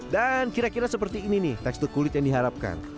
dan kira kira seperti ini nih tekstur kulit yang diharapkan